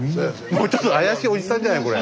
もうちょっと怪しいおじさんじゃないこれ。